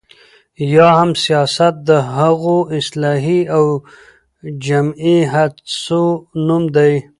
یا هم سياست د هغو اصلاحي او جمعي هڅو نوم دی،